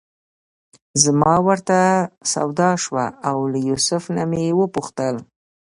زما ورته سودا شوه او له یوسف نه مې وپوښتل.